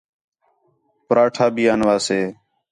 پُراٹھا بھی آنوا سے